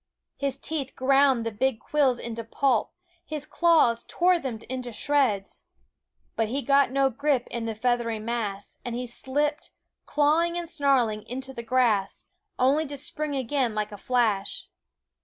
His teeth ground the big quills into pulp ; his claws tore them into shreds; but he got no grip in the feathery mass, and he slipped, clawing and snarling, into the grass, only to spring again like a flash.